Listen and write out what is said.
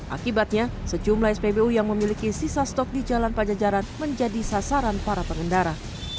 akibatnya sejumlah spbu yang memiliki sisa stok di jalan pajajaran menjadi sasaran para pengendara